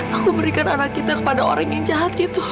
aku berikan anak kita kepada orang yang jahat gitu